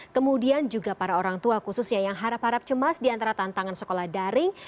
kemudian juga para orang tua khususnya yang harap harap cemas di antara tantangan sekolah daring